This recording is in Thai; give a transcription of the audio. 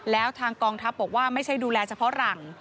แล้วทางกองทัพบอกว่าไม่ใช่ดูแลเฉพาะหลัง